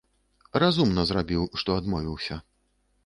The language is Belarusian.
Разумна зрабiў, што адмовiўся.